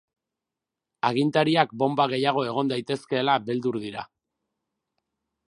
Agintariak bonba gehiago egon daitezkeela beldur dira.